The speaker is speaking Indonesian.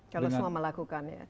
kalau semua melakukan ya